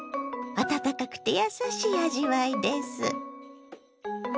温かくてやさしい味わいです。